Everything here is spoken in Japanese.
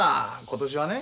今年はね